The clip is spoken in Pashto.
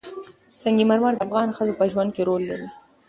سنگ مرمر د افغان ښځو په ژوند کې رول لري.